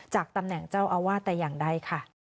ตำแหน่งเจ้าอาวาสแต่อย่างใดค่ะ